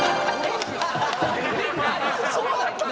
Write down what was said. そうだったの？